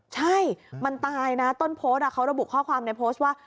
ใช่มันตายนะต้นโพสต์เขาระบุข้อความในโพสต์ว่า